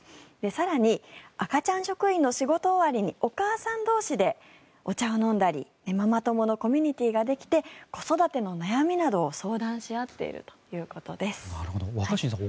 更に赤ちゃん職員の仕事終わりにお母さん同士でお茶を飲んだりママ友のコミュニティーができて子育ての悩みなどを相談し合っているということです。